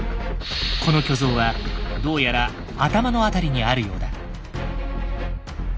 この巨像はどうやら頭の辺りにあるようだ。